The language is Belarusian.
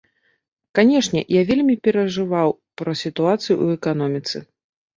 Канечне, я вельмі перажываў пра сітуацыю ў эканоміцы.